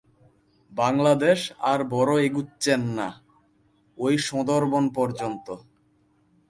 বাঙলা দেশ আর বড় এগুচ্চেন না, ঐ সোঁদরবন পর্যন্ত।